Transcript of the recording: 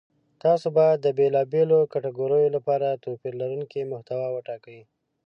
تاسو باید د بېلابېلو کتګوریو لپاره توپیر لرونکې محتوا وټاکئ.